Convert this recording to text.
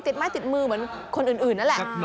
ไม้ติดมือเหมือนคนอื่นนั่นแหละ